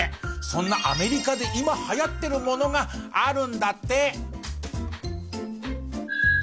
そんなアメリカで今はやってるものがあるんだって。